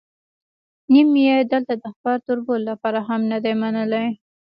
نیم یې دلته د خپل تربور لپاره هم نه دی منلی.